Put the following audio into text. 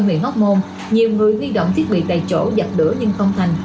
huyện hóc môn nhiều người huy động thiết bị tại chỗ giặt lửa nhưng không thành